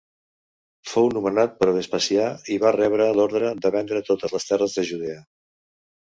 Fou nomenat per Vespasià i va rebre l'ordre de vendre totes les terres de Judea.